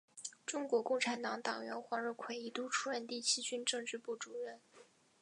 中国共产党党员黄日葵一度出任第七军政治部主任。